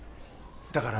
だから。